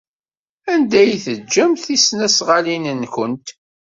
Anda ay teǧǧamt tisnasɣalin-nwent?